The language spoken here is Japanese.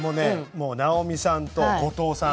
もう直美さんと後藤さん